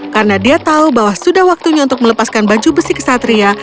karena dia tahu bahwa sudah waktunya untuk melepaskan baju besi kesatria